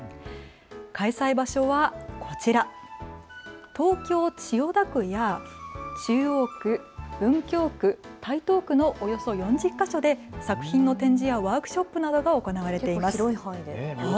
開催場所はこちら、東京千代田区や中央区、文京区、台東区のおよそ４０か所で作品の展示やワークショップなどが行われています。